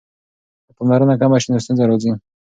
که پاملرنه کمه سي نو ستونزه راځي.